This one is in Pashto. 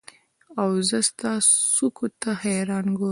اوزه ستا څوکو ته حیران ګورم